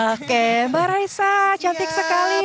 oke mbak raisa cantik sekali